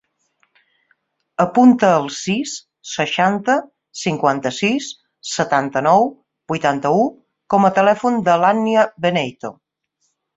Apunta el sis, seixanta, cinquanta-sis, setanta-nou, vuitanta-u com a telèfon de l'Ànnia Beneyto.